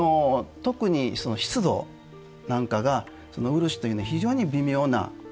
特に湿度なんかが漆というのは非常に微妙な。